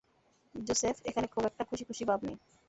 Joseph, এখানে খুব একটা খুশিখুশি ভাব নেই।